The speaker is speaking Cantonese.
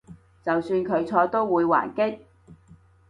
就算佢錯都會還擊？